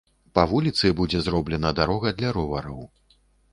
Па вуліцы будзе зроблена дарога для ровараў.